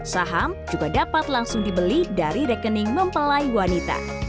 saham juga dapat langsung dibeli dari rekening mempelai wanita